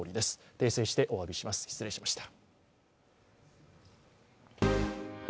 訂正しておわびします、失礼しました。